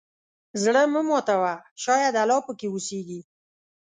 زړه مه ماتوه، شاید الله پکې اوسېږي.